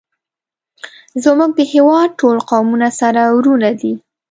زمونږ د هیواد ټول قومونه سره ورونه دی